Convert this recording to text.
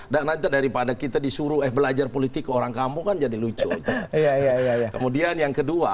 dan aja daripada kita disuruh eh belajar politik ke orang kamu kan jadi lucu ini iya ya kemudian yang